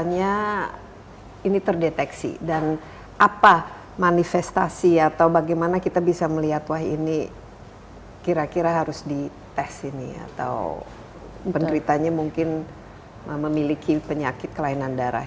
misalnya ini terdeteksi dan apa manifestasi atau bagaimana kita bisa melihat wah ini kira kira harus dites ini atau penderitanya mungkin memiliki penyakit kelainan darah